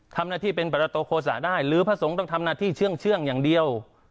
ทำหน้าที่เป็นประตูโฆษะได้หรือพระสงฆ์ต้องทำหน้าที่เชื่องอย่างเดียว